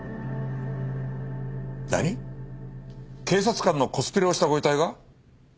警察官のコスプレをしたご遺体が？